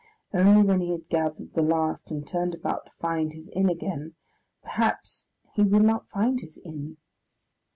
Only when he had gathered that last and turned about to find his inn again, perhaps he would not find his inn!